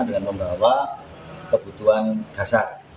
dengan membawa kebutuhan dasar